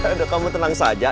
aduh kamu tenang saja